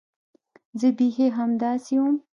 زه بيخي همداسې وم.